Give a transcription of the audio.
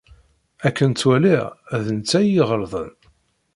Akken ttwaliɣ, d netta i iɣelḍen.